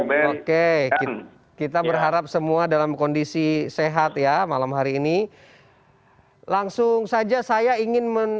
oke kita berharap semua dalam kondisi sehat ya malam hari ini langsung saja saya ingin